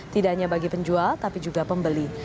tidak hanya bagi penjual tapi juga pembeli